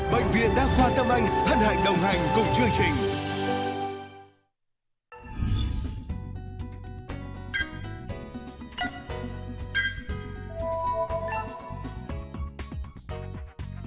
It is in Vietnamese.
bệnh viện đa khoa tâm anh hân hạnh đồng hành cùng chương trình